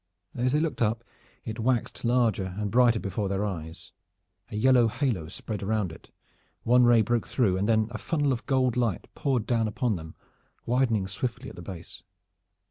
As they looked up it waxed larger and brighter before their eyes a yellow halo spread round it, one ray broke through, and then a funnel of golden light poured down upon them, widening swiftly at the base.